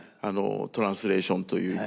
トランスレーションという。